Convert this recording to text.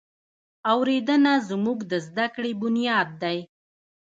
اورېدنه زموږ د زده کړې بنیاد دی.